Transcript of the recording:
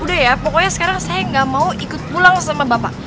udah ya pokoknya sekarang saya nggak mau ikut pulang sama bapak